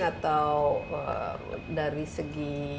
atau dari segi